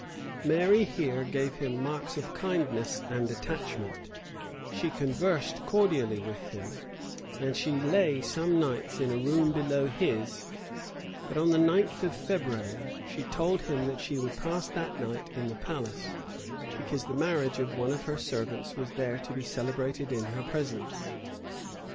Mary here gave him marks of kindness and attachment; she conversed cordially with him; and she lay some nights in a room below his; but on the ninth of February, she told him that she would pass that night in the palace, because the marriage of one of her servants was there to be celebrated in her presence.